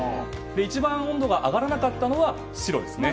一番温度が上がらなかったのは白ですね。